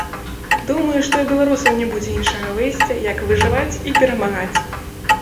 Думаю, што і ў беларусаў не будзе іншага выйсця, як выжываць і перамагаць.